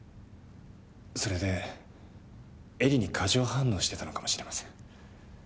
それで絵里に過剰反応してたのかもしれません。